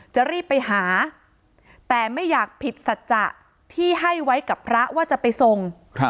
จะรีบไปหาแต่ไม่อยากผิดสัจจะที่ให้ไว้กับพระว่าจะไปส่ง